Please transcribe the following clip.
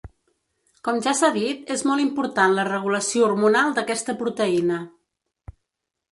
Com ja s'ha dit és molt important la regulació hormonal d'aquesta proteïna.